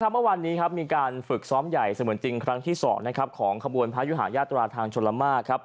เมื่อวานนี้มีการฝึกซ้อมใหญ่เสมือนจริงครั้งที่๒ของขบวนพระยุหายาตราทางชนละมาก